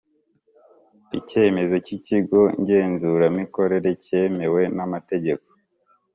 icyemezo cy ikigo ngenzuramikorere cyemewe namategeko